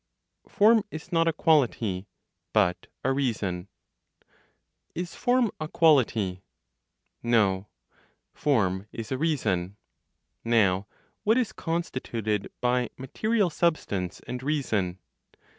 FORM IS NOT A QUALITY; BUT A REASON. Is form a quality? No: form is a reason. Now what is constituted by (material) substance, and reason?